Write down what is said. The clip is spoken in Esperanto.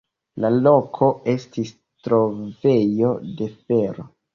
La loko estis trovejo de fero.